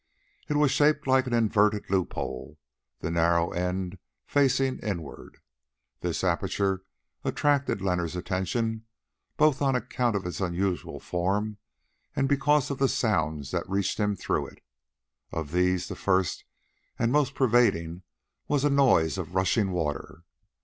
It was shaped like an inverted loophole, the narrow end facing inward. This aperture attracted Leonard's attention, both on account of its unusual form and because of the sounds that reached him through it. Of these, the first and most pervading was a noise of rushing water.